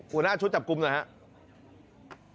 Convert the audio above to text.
หัวหน้าชุดจับกลุ่มหน่อยครับ